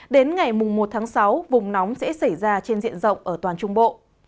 đến ngày một tháng sáu vùng nóng sẽ xảy ra trên diện rộng ở toàn trung bộ